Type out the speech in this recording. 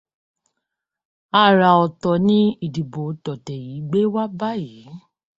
Àrà ọ̀tọ̀ ní ìdìbò tọ̀tẹ̀ yí gbé wá báyìí.